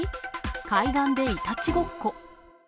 海岸でいたちごっこ。